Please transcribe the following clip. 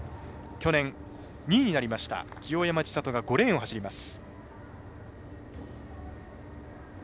去年２位になりました清山ちさとが５レーンを走ります。